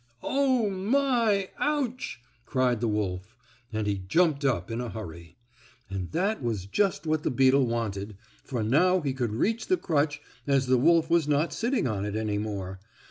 "Oh, my! Ouch!" cried the wolf, and he jumped up in a hurry. And that was just what the beetle wanted, for now he could reach the crutch as the wolf was not sitting on it any more.